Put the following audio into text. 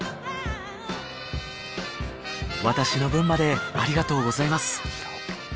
私の分までありがとうございます